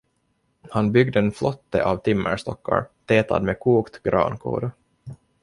Han byggde en flotte av timmerstockar, tätad med kokt grankåda.